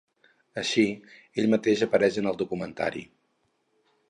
Així, ell mateix apareix en el documentari.